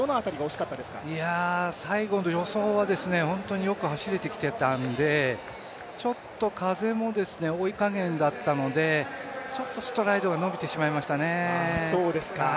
最後の助走はホントによく走れてきてたので、風も追い加減だったので、ストライドが伸びてしまいましたね。